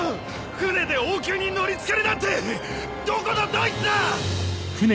船で王宮に乗り付けるなんてどこのどいつだ！